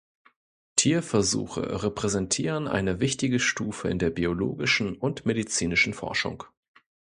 Tierversuche repräsentieren eine wichtige Stufe in der biologischen und medizinischen Forschung.